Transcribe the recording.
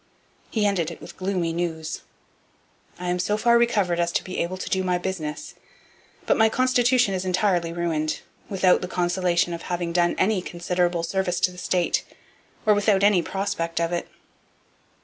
He ended it with gloomy news: 'I am so far recovered as to be able to do business, but my constitution is entirely ruined, without the consolation of having done any considerable service to the state, or without any prospect of it.'